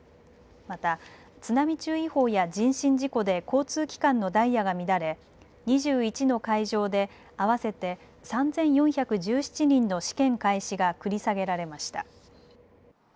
また、津波注意報や人身事故で交通機関のダイヤが乱れ２１の会場で合わせて３４１７人の試験開始が繰り下げられました。